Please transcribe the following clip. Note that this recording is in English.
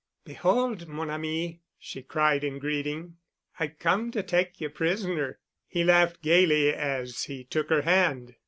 "Behold, mon ami," she cried in greeting, "I've come to take you prisoner." He laughed gayly as he took her hand.